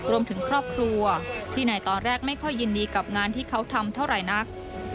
รวมถึงครอบครัวที่ในตอนแรกไม่ค่อยยินดีกับงานที่เขาทำเท่าไหร่นัก